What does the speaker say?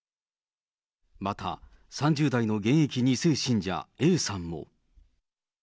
また３０代の現役２世信者、Ａさんも。